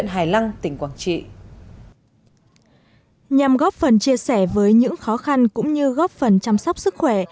nhằm góp phần chia sẻ với những khó khăn cũng như góp phần chăm sóc sức khỏe